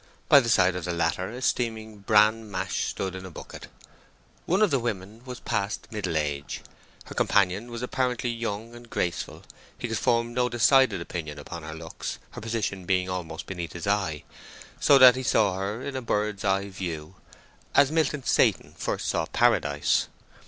By the side of the latter a steaming bran mash stood in a bucket. One of the women was past middle age. Her companion was apparently young and graceful; he could form no decided opinion upon her looks, her position being almost beneath his eye, so that he saw her in a bird's eye view, as Milton's Satan first saw Paradise.